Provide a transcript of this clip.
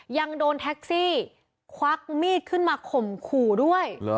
ยังโดนแท็กซี่ควักมีดขึ้นมาข่มขู่ด้วย